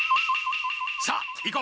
さあ行こう。